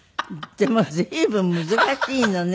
でも随分難しいのね。